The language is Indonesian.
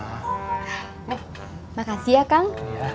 oh makasih ya kang